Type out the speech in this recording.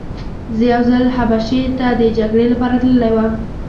زه یو ځل حبشې ته د جګړې لپاره تللی وم.